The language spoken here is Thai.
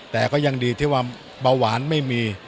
แต่ก็ยังดีที่ว่าเบาหวานไม่มี